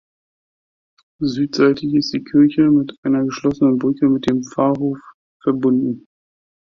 Südseitig ist die Kirche mit einer geschlossenen Brücke mit dem Pfarrhof verbunden.